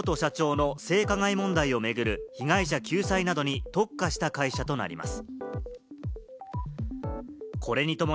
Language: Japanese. ‐ＵＰ．はジャニー喜多川元社長の性加害問題を巡る被害者救済などに特化した会社となります。